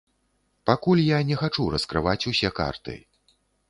Пакуль я не хачу раскрываць усе карты.